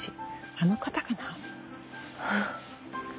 あの方かな？